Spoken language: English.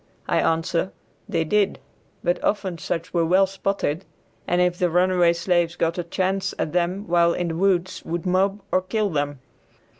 I answer, they did; but often such were well spotted, and if the runaway slaves got a chance at them while in the woods would mob or kill them.